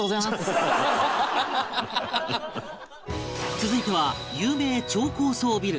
続いては有名超高層ビル